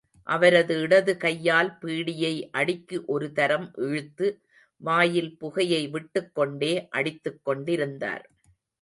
அவரது இடதுகையால் பீடியை அடிக்கு ஒருதரம் இழுத்து, வாயில் புகையை விட்டுக் கொண்டே அடித்துக் கொண்டிருந்தார்.